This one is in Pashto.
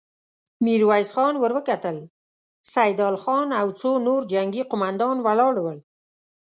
ميرويس خان ور وکتل، سيدال خان او څو نور جنګي قوماندان ولاړ ول.